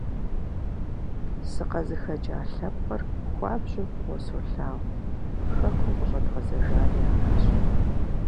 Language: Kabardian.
СыкъызыхэкӀа лъэпкъыр хуабжьу фӀыуэ солъагъу, хэкум къыщӀэдгъэзэжари аращ.